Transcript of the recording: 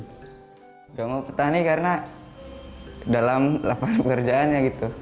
nggak mau petani karena dalam lapangan pekerjaannya gitu